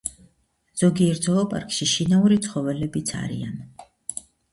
ზოგიერთ ზოოპარკში შინაური ცხოველებიც არიან.